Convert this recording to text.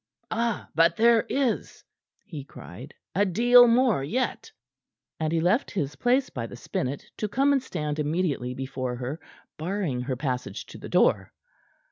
"Ah, but there is," he cried. "A deal more yet." And he left his place by the spinet to come and stand immediately before her, barring her passage to the door.